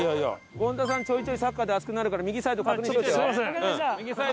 権田さんちょいちょいサッカーで熱くなるから右サイド確認しておいてよ。